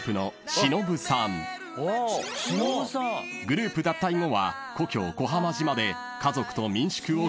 ［グループ脱退後は故郷小浜島で家族と民宿を経営中］